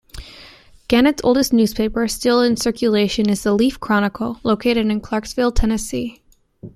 Gannett's oldest newspaper still in circulation is the "Leaf-Chronicle" located in Clarksville, Tennessee.